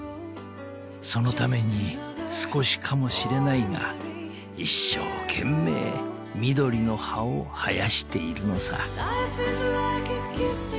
［そのために少しかもしれないが一生懸命緑の葉を生やしているのさ］